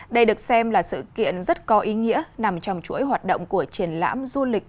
đây được xem là sự kiện rất có ý nghĩa nằm trong chuỗi hoạt động của triển lãm du lịch